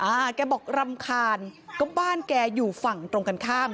แกบอกรำคาญก็บ้านแกอยู่ฝั่งตรงกันข้าม